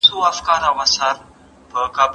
د سالمي روزني لپاره کوم شرط اړین دی؟